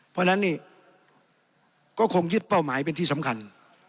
เพราะฉะนั้นนี่ก็คงยึดเป้าหมายเป็นที่สำคัญ